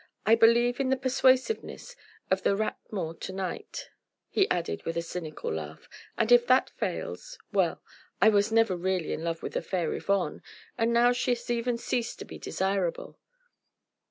I believe in the persuasiveness of the Rat Mort to night," he added with a cynical laugh, "and if that fails.... Well! I was never really in love with the fair Yvonne, and now she has even ceased to be desirable....